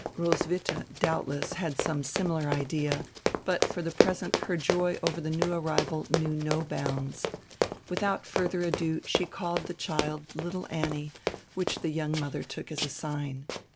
Roswitha doubtless had some similar idea, but for die present her joy over die new arrival knew no bounds. Widiout furdier ado she called die child "little Annie," which die young mother took as a sign.